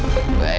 terima kasih daddy